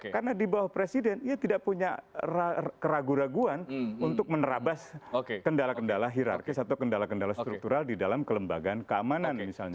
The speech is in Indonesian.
karena di bawah presiden ya tidak punya keraguan keraguan untuk menerabas kendala kendala hirarkis atau kendala kendala struktural di dalam kelembagaan keamanan misalnya